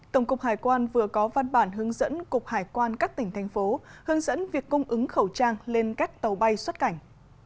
tổng cục hải quan vừa có văn bản hướng dẫn cục hải quan các tỉnh thành phố hướng dẫn việc cung ứng khẩu trang lên các tàu bay xuất cảnh